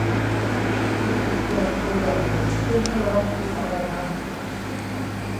นี่เป็นเพียงตัวอย่างหนึ่งซึ่งไม่รัดกุมอะไรนัก